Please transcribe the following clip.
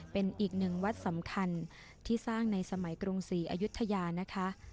เป็นอีกหนึ่งวัดสำคัญที่สร้างในสมัยกรุงศรีอายุทยานะคะ